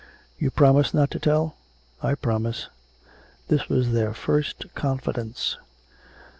'You promise not to tell?' 'I promise.' This was their first confidence.